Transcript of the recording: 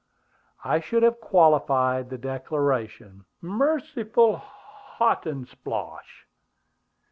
"I should have qualified the declaration " "Merciful Hotandsplosh!"